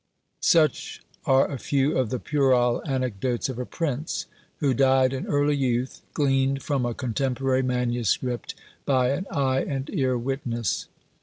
'" Such are a few of the puerile anecdotes of a prince who died in early youth, gleaned from a contemporary manuscript, by an eye and ear witness.